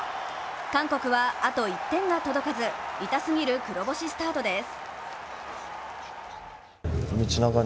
韓国はあと１点が届かず痛すぎる黒星スタートです。